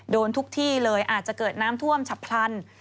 โดนทุกที่เลยอาจจะเกิดน้ำท่วมฉับพลัน